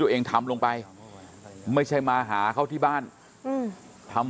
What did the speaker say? คุณกัลจอมพลังบอกจะมาให้ลบคลิปได้อย่างไร